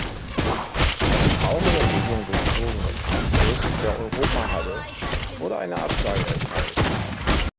Einem auch in Erwägung gezogenen Abriss der Europahalle wurde eine Absage erteilt.